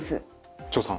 張さん